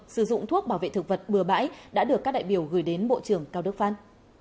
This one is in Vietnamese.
sử dụng thuốc bảo vệ thực vật bừa bãi đã được các đại biểu gửi đến bộ trưởng cao đức pháp